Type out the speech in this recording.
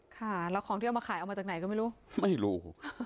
ค่ะแล้วของที่เอามาขายเอามาจากไหนก็ไม่รู้ไม่รู้